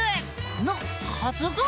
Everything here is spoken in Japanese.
のはずが。